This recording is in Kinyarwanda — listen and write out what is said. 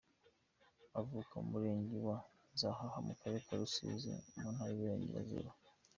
Avuka mu Murenge wa Nzahaha mu Karere ka Rusizi mu Ntara y’Iburengerazuba.